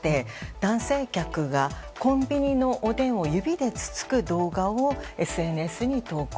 男性客がコンビニのおでんを指でつつく動画をＳＮＳに投稿。